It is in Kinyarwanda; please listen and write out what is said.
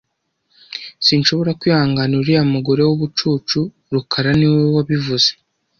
Sinshobora kwihanganira uriya mugore wubucucu rukara niwe wabivuze